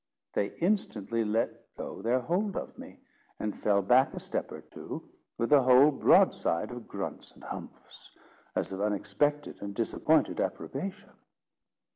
They instantly let go their hold of me, and fell back a step or two, with a whole broadside of grunts and humphs, as of unexpected and disappointed approbation.